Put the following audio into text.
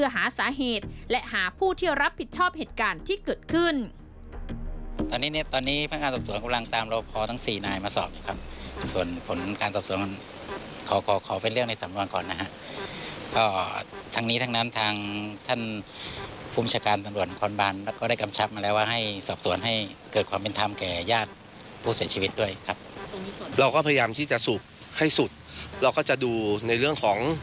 หาสาเหตุและหาผู้ที่รับผิดชอบเหตุการณ์ที่เกิดขึ้น